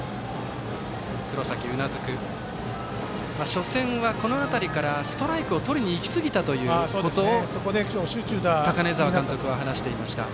初戦は、この辺りからストライクをとりにいきすぎたということを高根澤監督は話していました。